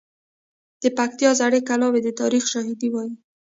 د پکتیا زړې کلاوې د تاریخ شاهدي وایي.